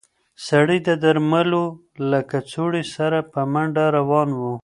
سړی د درملو له کڅوړې سره په منډه روان و.